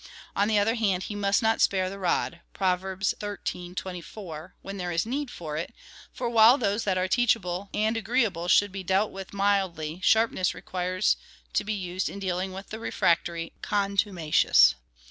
On the other hand, he must not spare the rod, (Prov. xiii. 24,) when there is need for it, for while those that are teachable and agreeable should be dealt with mildly, sharpness requires to be used in dealing with the refractory and contumacious.